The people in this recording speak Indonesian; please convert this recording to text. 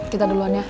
kita duluan ya